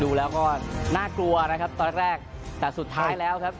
ดูแล้วก็น่ากลัวนะครับตอนแรกแต่สุดท้ายแล้วครับ